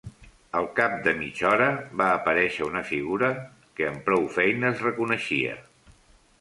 Al cap de mitja hora va aparèixer una figura que amb prou feines reconeixia.